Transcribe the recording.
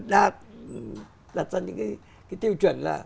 đặt ra những cái tiêu chuẩn là